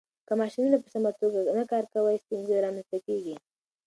که ماشينونه په سمه توګه نه کار کوي، ستونزې رامنځته کېږي.